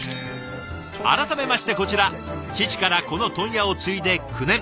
改めましてこちら父からこの問屋を継いで９年。